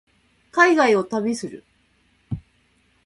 海外を旅する